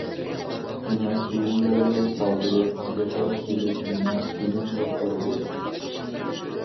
مېنىڭ كىيىملىرىمنى سالدۇرۇپ، يېقىن كېلىپ مېنىڭ تېنىمنى پۇرىدى.